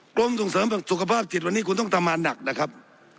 กรมส่งเสริมสุขภาพจิตวันนี้คุณต้องทำงานหนักนะครับ